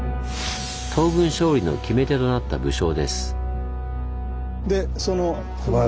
東軍勝利の決め手となった武将です。